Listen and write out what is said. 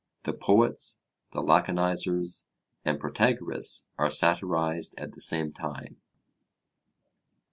The poets, the Laconizers, and Protagoras are satirized at the same time.